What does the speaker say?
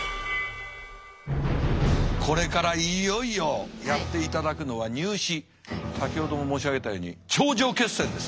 これからいよいよやっていただくのは「ニュー試」先ほども申し上げたように頂上決戦です。